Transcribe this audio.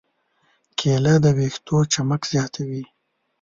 کېله د ویښتو چمک زیاتوي.